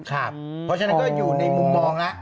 ครับเพราะฉะนั้นก็อยู่ในมุมมองละ